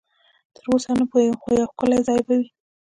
تراوسه نه پوهېږم، خو یو ښکلی ځای به وي.